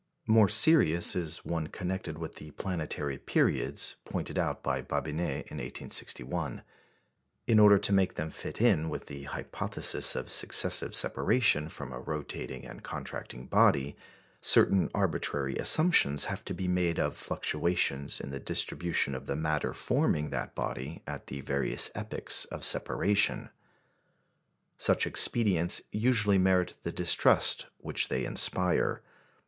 More serious is one connected with the planetary periods, pointed out by Babinet in 1861. In order to make them fit in with the hypothesis of successive separation from a rotating and contracting body, certain arbitrary assumptions have to be made of fluctuations in the distribution of the matter forming that body at the various epochs of separation. Such expedients usually merit the distrust which they inspire.